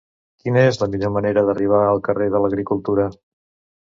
Quina és la millor manera d'arribar al carrer de l'Agricultura?